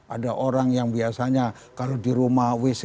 ada orang yang biasanya kalau di rumah wc